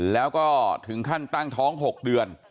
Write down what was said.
แล้วก็ถึงขั้นตั้งท้อง๖เดือน